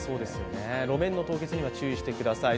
路面の凍結には注意してください。